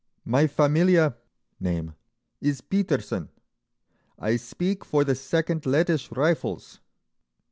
"My familia (name) is Peterson—I speak for the Second Lettish Rifles.